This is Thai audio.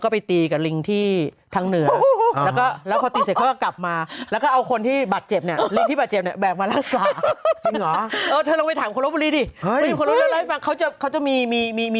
คิดต้องขึ้นไปแบบภูเขาหน่อย